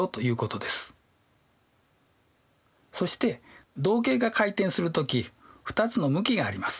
そして動径が回転する時２つの向きがあります。